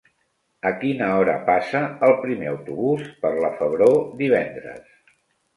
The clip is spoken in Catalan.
A quina hora passa el primer autobús per la Febró divendres?